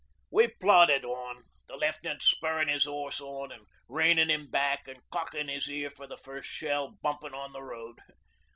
'We plodded on, the Left'nant spurrin' his horse on and reinin' him back, an' cockin' his ear for the first shell bumpin' on the road.